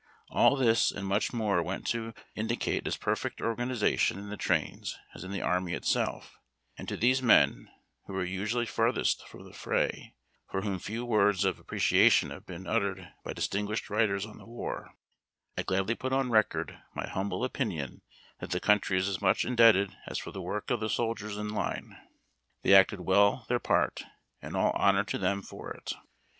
All this and much more went to indi cate as perfect organization in the trains as in the army it self, and to these men, who were usually farthest from the fray, for whom few words of appreciation have been uttered by distinguished writers on the war, I gladly put on record my humble opinion that the country is as much indebted as for the work of the soldiers in line. They acted well their part, and all honor to them for it.